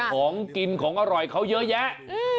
ของกินของอร่อยเขาเยอะแยะ